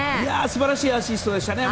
素晴らしいアシストでしたね。